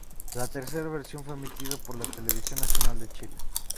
La tercera versión fue emitida por Televisión Nacional de Chile.